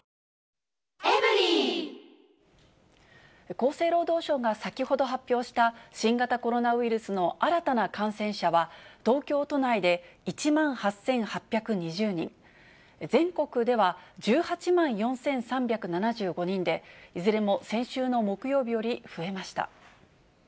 厚生労働省が先ほど発表した、新型コロナウイルスの新たな感染者は、東京都内で１万８８２０人、全国では１８万４３７５人で、いずれも先週の木曜日より増えました。